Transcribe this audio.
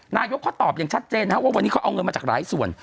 นายกเขาตอบอย่างชัดเจนนะครับว่าวันนี้เขาเอาเงินมาจากหลายส่วน